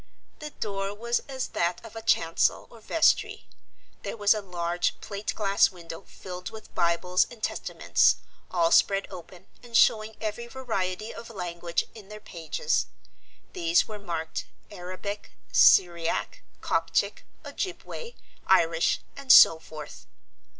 The door was as that of a chancel or vestry; there was a large plate glass window filled with Bibles and Testaments, all spread open and showing every variety of language in their pages. These were marked, Arabic, Syriac, Coptic, Ojibway, Irish and so forth.